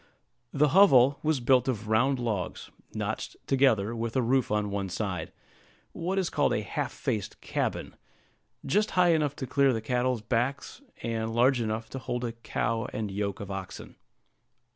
The hovel was built of round logs, notched together, with a roof on one side, what is called a half faced cabin, just high enough to clear the cattle's backs, and large enough to hold a cow and yoke of oxen.